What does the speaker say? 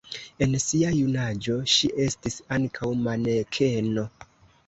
En sia junaĝo ŝi estis ankaŭ manekeno.